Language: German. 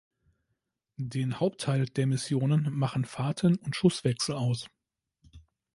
Den Hauptteil der Missionen machen Fahrten und Schusswechsel aus.